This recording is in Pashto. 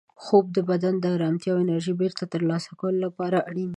خوب د بدن د ارام او انرژۍ بېرته ترلاسه کولو لپاره اړین دی.